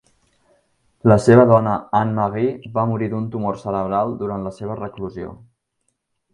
La seva dona Anne Marie va morir d'un tumor cerebral durant la seva reclusió.